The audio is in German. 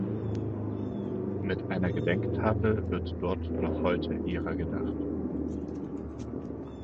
Mit einer Gedenktafel wird dort noch heute ihrer gedacht.